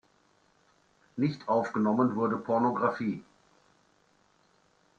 Nicht aufgenommen wurde Pornografie.